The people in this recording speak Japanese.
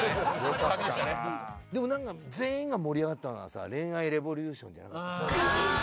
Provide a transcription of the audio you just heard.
でも何か全員が盛り上がったのは『恋愛レボリューション』じゃなかった？